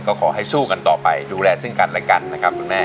ก็ขอให้สู้กันต่อไปดูแลซึ่งกันและกันนะครับคุณแม่